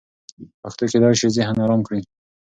پښتو کېدای سي ذهن ارام کړي.